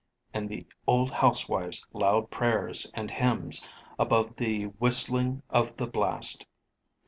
and the old housewife's loud prayers and hymns, above the whistling of the blast.